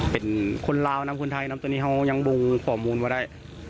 เป็นคนลาวนะคนไทยนะตัวนี้เขายังบงข้อมูลมาได้